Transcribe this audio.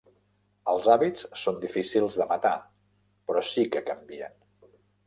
Els hàbits són difícils de matar, però sí que canvien.